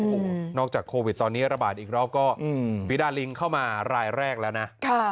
โอ้โหนอกจากโควิดตอนนี้ระบาดอีกรอบก็ฝีดาลิงเข้ามารายแรกแล้วนะ